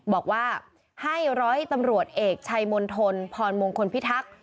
บอกว่าให้ร้อยตำรวจเอกชัยมณฑลพรมงคลพิทักษ์